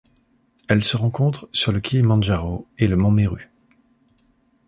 Elle se rencontre sur le Kilimandjaro et le mont Méru.